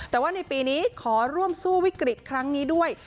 แต่ว่าในปีนี้ขอร่วมสู้วิกฤตครั้งนี้ด้วย